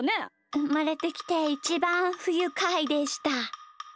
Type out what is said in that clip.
うまれてきていちばんふゆかいでした。